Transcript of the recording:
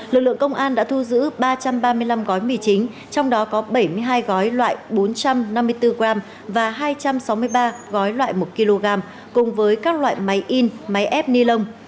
lực lượng công an đã thu giữ ba trăm ba mươi năm gói mì chính trong đó có bảy mươi hai gói loại bốn trăm năm mươi bốn g và hai trăm sáu mươi ba gói loại một kg cùng với các loại máy in máy ép ni lông